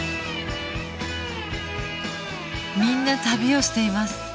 みんな旅をしています